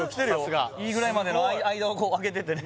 いいぐらいまでの間をあけててね